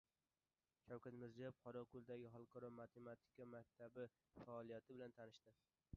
Shavkat Mirziyoyev Qorako‘ldagi Xalqaro matematika maktabi faoliyati bilan tanishdi